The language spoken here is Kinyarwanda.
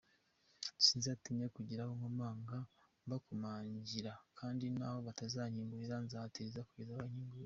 Sinzatinya kugira aho nkomanga mbakomangira kandi n’aho batazankingurira, nzahatiriza kugeza bankinguriye.